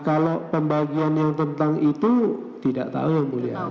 kalau pembagian yang tentang itu tidak tahu yang mulia